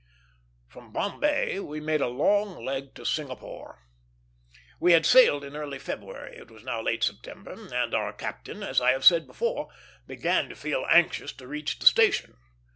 From Bombay we made a long leg to Singapore. We had sailed in early February; it was now late September, and our captain, as I have said before, began to feel anxious to reach the station.